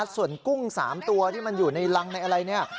ส่วนกุ้ง๓ตัวที่มันอยู่ในรังอะไร